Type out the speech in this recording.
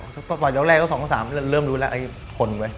ก็ตอนยกแรกก็๒๓เริ่มรู้แล้วไอ้ผ่นไว้